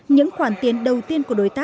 những khoản tiền đầu tiên của đối tác